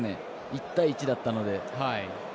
１対１だったので。